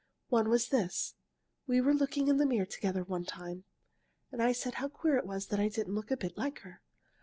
One was this. We were looking in the mirror together one time, and I said how queer it was that I didn't look a bit like her.